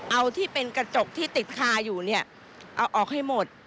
เอาที่เป็นกระจกที่ติดคาอยู่เนี่ยเอาออกให้หมด